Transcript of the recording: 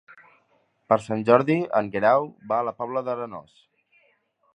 Per Sant Jordi en Guerau va a la Pobla d'Arenós.